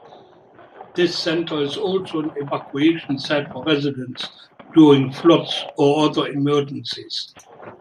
This center is also an evacuation site for residents during floods or other emergencies.